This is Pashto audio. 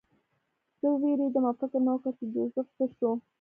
زه ووېرېدم او فکر مې وکړ چې جوزف څه شو